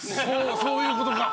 そういうことか。